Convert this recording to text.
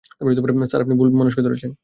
Sir, আপনি ভুল মানুষকে ধরেছেন।